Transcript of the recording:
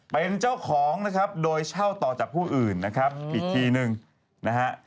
เป็นเจ้าของนะครับโดยเช่าต่อจากผู้อื่นนะครับอีกทีหนึ่งนะฮะ